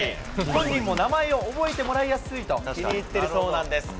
本人も名前を覚えてもらいやすいと、気に入ってるそうなんです。